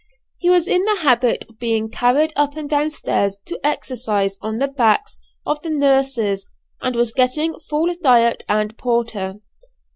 He was in the habit of being carried up and down stairs to exercise on the backs of the nurses, and was getting full diet and porter.